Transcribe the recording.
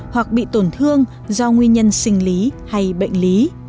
hoặc bị tổn thương do nguyên nhân sinh lý hay bệnh lý